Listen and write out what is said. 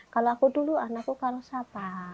kalau aku dulu anakku karusapa